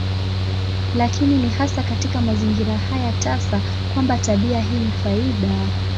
Lakini ni hasa katika mazingira haya tasa kwamba tabia hii ni faida.